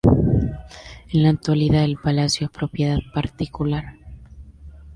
En la actualidad el palacio es propiedad particular.